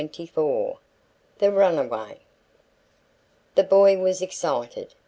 THE RUNAWAY. The boy was excited.